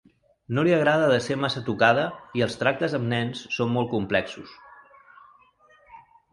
No li agrada de ser massa tocada i els tractes amb nens són molt complexos.